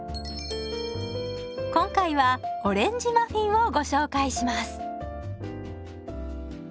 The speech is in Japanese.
今回はオレンジマフィンをご紹介します。